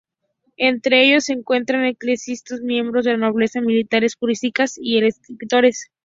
Entre ellos se encontraban eclesiásticos, miembros de la nobleza, militares, juristas y escritores.